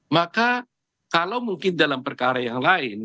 maka kalau mungkin dalam perkara yang lain